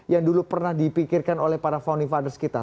yang dulu pernah dipikirkan oleh para founding fathers kita